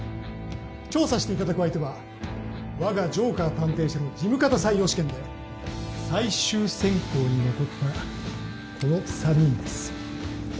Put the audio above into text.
調査していただく相手はわがジョーカー探偵社の事務方採用試験で最終選考に残ったこの３人です。